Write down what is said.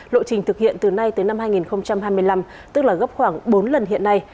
lộ trình thực hiện từ nay tới năm hai nghìn hai mươi năm tức là gấp khoảng bốn lần hiện nay